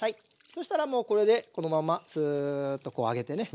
そしたらもうこれでこのままツーッとこうあげてね。